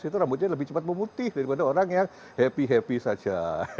itu rambutnya lebih cepat memutih daripada orang yang happy happy saja